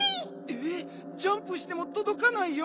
えっジャンプしてもとどかないよ。